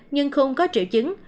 nhưng không có triệu chứng